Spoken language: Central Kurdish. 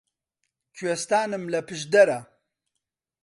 کوێستانم لە پشدەرە